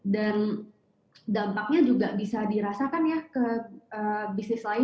dan dampaknya juga bisa dirasakan ya ke bisnis lain